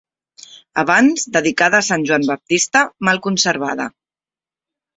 Abans dedicada a sant Joan Baptista, mal conservada.